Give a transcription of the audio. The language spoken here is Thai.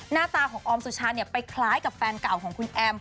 หน้าตาของออมสุชาเนี่ยไปคล้ายกับแฟนเก่าของคุณแอม